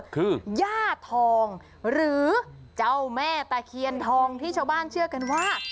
คือย่าทองหรือเจ้าแม่ตะเคียนทองที่ชาวบ้านเชื่อกันว่า